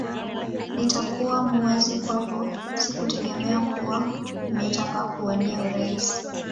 Nitakuwa muwazi kwako sikutegemea kuwa ungetaka kuwania urais